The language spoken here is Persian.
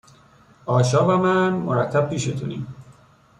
آشا و من، مرتب پیشتونیم